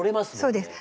そうです。